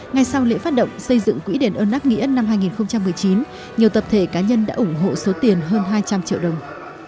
ngay sau lễ phát động xây dựng quỹ đền ơn đáp nghĩa năm hai nghìn một mươi chín nhiều tập thể cá nhân đã ủng hộ số tiền hơn hai trăm linh triệu đồng